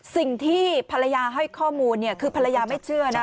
สิ่งที่ภรรยาให้ข้อมูลเนี่ยคือภรรยาไม่เชื่อนะ